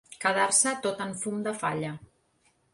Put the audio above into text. Quedar-se tot en fum de falla.